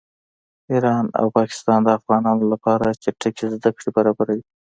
ایران او پاکستان د افغانانو لپاره چټکې زده کړې برابروي